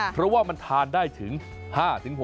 เพราะว่ามันทานได้ถึง๕๖๐